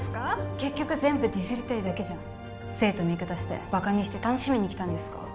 結局全部ディスりたいだけじゃん生徒見下してバカにして楽しみにきたんですか？